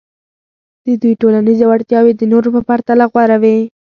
د دوی ټولنیزې وړتیاوې د نورو په پرتله غوره وې.